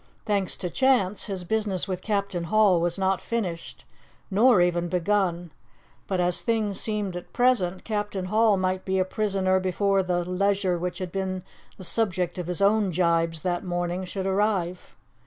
Thanks to chance, his business with Captain Hall was not finished, nor even begun; but as things seemed at present, Captain Hall might be a prisoner before the leisure which had been the subject of his own gibes that morning should arrive.